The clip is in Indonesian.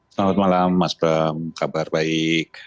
selamat malam mas bram kabar baik